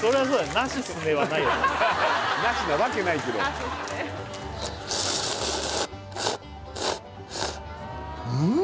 なしなわけないけどうん！